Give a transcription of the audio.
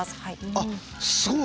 あっすごい！